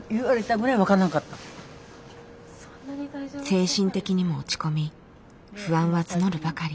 精神的にも落ち込み不安は募るばかり。